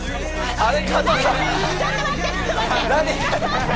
あれ？